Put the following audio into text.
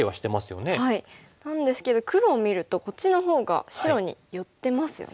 なんですけど黒を見るとこっちのほうが白に寄ってますよね。